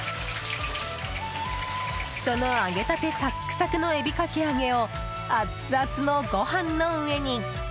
その揚げたてサクサクの海老かき揚をあっつあつのご飯の上に。